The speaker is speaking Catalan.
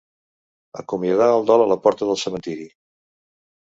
Acomiadar el dol a la porta del cementiri.